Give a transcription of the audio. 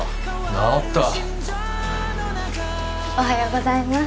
治ったおはようございます